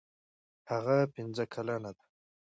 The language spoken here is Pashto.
هغه پنځه کلنه ده.